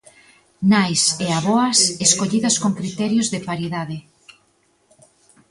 Nais e avoas, escollidas con criterios de paridade.